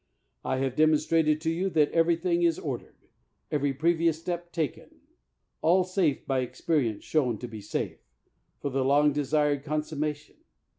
I have demonstrated to you that every thing is ordered — every pre\^ous step taken — all safe, by experience shown to be safe, for the long desired consummation.